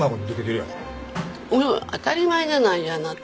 当たり前じゃないあなた。